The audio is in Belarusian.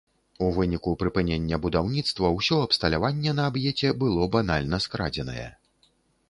У выніку прыпынення будаўніцтва ўсё абсталяванне на аб'еце было банальна скрадзенае.